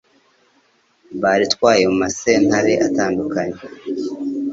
baritwaye mu masentare atandukanye